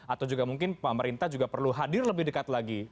atau juga mungkin pemerintah juga perlu hadir lebih dekat lagi